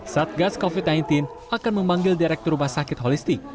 satgas covid sembilan belas akan memanggil direktur rumah sakit holistik